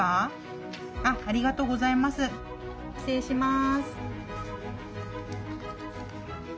失礼します。